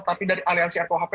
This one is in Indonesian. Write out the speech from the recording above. tapi dari aliansi rkuhp